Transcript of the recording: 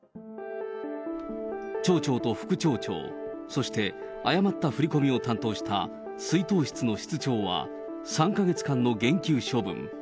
町長と副町長、そして誤った振り込みを担当した出納室の室長は、３か月間の減給処分。